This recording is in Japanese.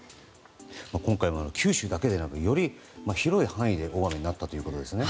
今回は九州だけでなくより広い範囲で大雨になったということですね。